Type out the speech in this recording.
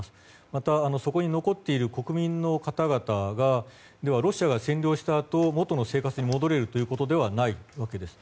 また、そこに残っている国民の方々がではロシアが占領したあと元の生活に戻れるということではないわけです。